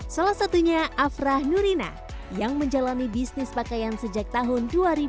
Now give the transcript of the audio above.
salah satunya afrah nurina yang menjalani bisnis pakaian sejak tahun dua ribu dua